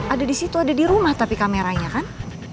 ada di situ ada di rumah tapi kameranya kan